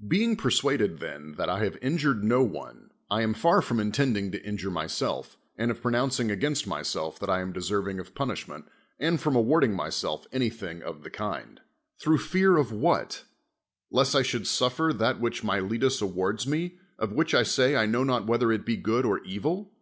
Bei'ig pcr iiad 'd then that I have injured no oi](\ I a.'ii 1'ai" {'j'o:[i intending to injure myself, and oj' [>ro!:o;iii: i!i'.r au^ainst myself that J am d' servim: ol" punish;i;i':ir, and from awarding 71) THE WORLD'S FAMOUS ORATIONS myself anything of the kind. Through fear of what? lest I should suffer that which Miletus awards me, of which I say I know not whether it be good or evil?